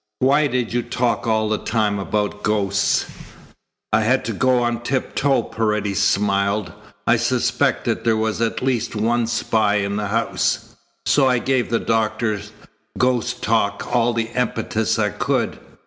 Why did you talk all the time about ghosts?" "I had to go on tiptoe," Paredes smiled. "I suspected there was at least one spy in the house. So I gave the doctor's ghost talk all the impetus I could.